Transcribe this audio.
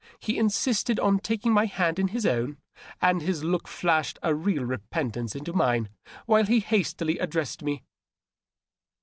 He insisted on taking my hand in his own^ and his look flashed a real repentance into mine wlule he hastily addressed me.